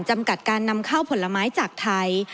จำกัดการนำข้าวผลไม้จากไทย